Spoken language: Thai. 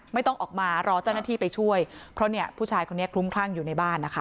ไม่ต้องออกมารอเจ้าหน้าที่ไปช่วยเพราะเนี่ยผู้ชายคนนี้คลุ้มคลั่งอยู่ในบ้านนะคะ